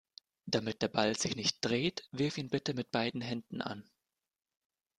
Damit der Ball sich nicht dreht, wirf ihn bitte mit beiden Händen an.